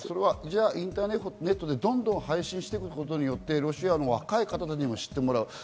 インターネットでどんどん配信していくことによってロシアの方たちにもしてもらう。